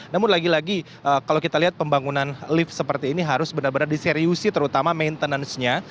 namun lagi lagi kalau kita lihat pembangunan lift seperti ini harus benar benar diseriusi terutama maintenance nya